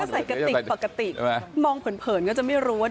ใส่กระติกปกติมองเผินก็จะไม่รู้ว่า